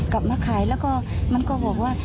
กลับมาขายแล้วก็มันก็บอกว่า